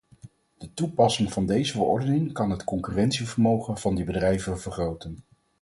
De toepassing van deze verordening kan het concurrentievermogen van die bedrijven vergroten.